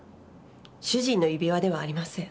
主人の指輪ではありません。